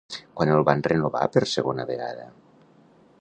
Quan el van renovar per segona vegada?